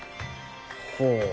ほう。